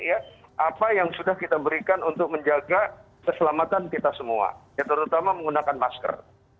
apa yang sudah kita berikan untuk menjaga keselamatan kita semua ya terutama menggunakan masker